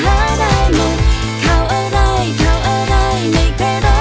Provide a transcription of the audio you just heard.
ข่าวอะไรก็ไม่ค่ายรักอย่างร่างหรอก